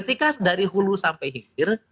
ketika dari hulu sampai hilir